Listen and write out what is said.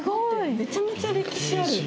めちゃめちゃ歴史ある。